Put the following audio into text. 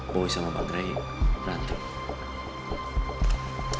boy sama bang kobra itu rantuk